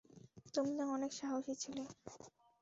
তুমি না অনেক সাহসী ছেলে?